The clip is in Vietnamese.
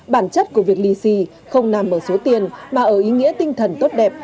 bản chất của việc lì xì không nằm ở số tiền mà ở ý nghĩa tinh thần tốt đẹp